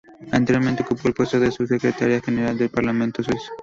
Anteriormente ocupó el puesto de Secretaria general del Parlamento suizo.